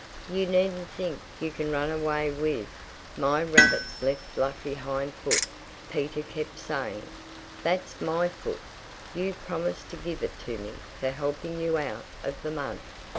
"You needn't think you can run away with my rabbit's lucky left hind foot," Peter kept saying. "That's my foot! You promised to give it to me for helping you out of the mud.